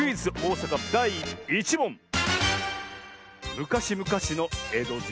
むかしむかしのえどじ